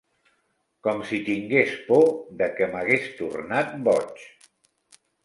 ...com si tingués por de què m'hagués tornat boig.